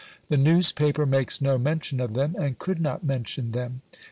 The newspaper makes no mention of them, and could not mention them.